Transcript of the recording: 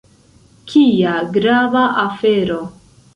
Kia grava afero!